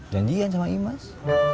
janjian sama imaz